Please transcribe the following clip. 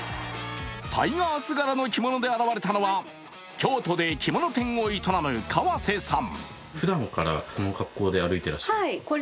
タイガース柄の着物で現れたのは、京都で着物店を営む川瀬さん。